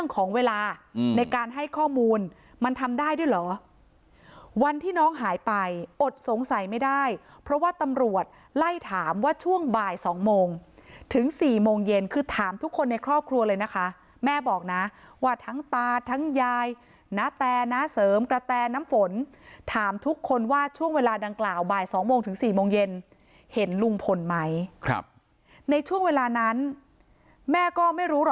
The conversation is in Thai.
ของเวลาในการให้ข้อมูลมันทำได้ด้วยเหรอวันที่น้องหายไปอดสงสัยไม่ได้เพราะว่าตำรวจไล่ถามว่าช่วงบ่าย๒โมงถึง๔โมงเย็นคือถามทุกคนในครอบครัวเลยนะคะแม่บอกนะว่าทั้งตาทั้งยายนาแตน้าเสริมกระแตน้ำฝนถามทุกคนว่าช่วงเวลาดังกล่าวบ่าย๒โมงถึง๔โมงเย็นเห็นลุงพลไหมครับในช่วงเวลานั้นแม่ก็ไม่รู้ร